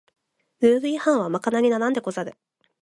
ルール違反はまかなりならんでござる